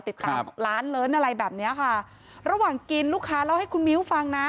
ติดตามร้านเลิ้นอะไรแบบเนี้ยค่ะระหว่างกินลูกค้าเล่าให้คุณมิ้วฟังนะ